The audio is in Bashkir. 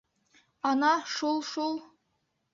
Ана шул-шул!